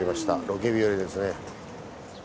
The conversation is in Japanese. ロケ日和ですね。